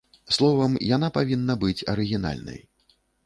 Словам, яна павінна быць арыгінальнай.